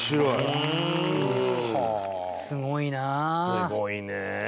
すごいね。